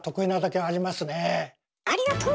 ありがとう！